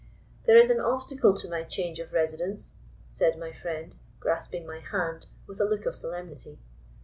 "There is an obstacle to my change of residence," said my friend, grasping my hand with a look of solemnity.